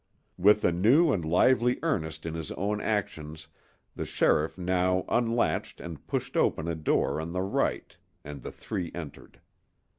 With a new and lively interest in his own actions the sheriff now unlatched and pushed open a door on the right, and the three entered.